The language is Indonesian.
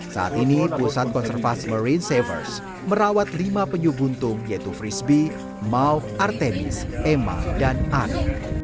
saat ini pusat konservasi marine savers merawat lima penyu buntung yaitu frisbee mau artebis emma dan ani